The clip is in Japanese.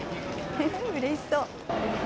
うれしそう。